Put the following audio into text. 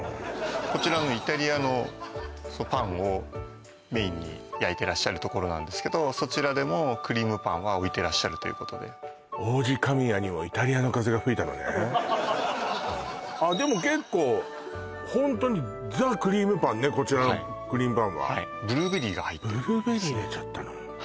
こちらイタリアのパンをメインに焼いてらっしゃるところなんですけどそちらでもクリームパンは置いてらっしゃるということででも結構ホントにザ・クリームパンねこちらのクリームパンはブルーベリーが入ってるブルーベリー入れちゃったの？